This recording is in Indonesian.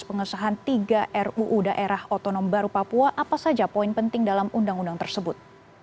pengesahan tiga ruu daerah otonom baru papua apa saja poin penting dalam undang undang tersebut